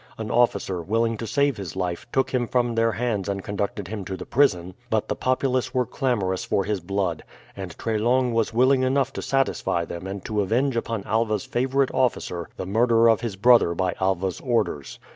An officer, willing to save his life, took him from their hands and conducted him to the prison; but the populace were clamorous for his blood, and Treslong was willing enough to satisfy them and to avenge upon Alva's favourite officer the murder of his brother by Alva's orders.